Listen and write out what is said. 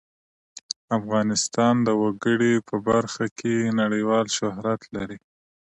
افغانستان د وګړي په برخه کې نړیوال شهرت لري.